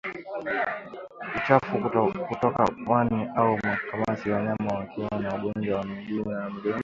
Uchafu kutoka puani au makamasi wanyama wakiwa na ugonjwa wa miguu na midomo